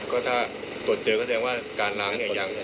ก็ถ้าตัวเจอก็แสดงว่าการล้างเนี่ยยังไม่ได้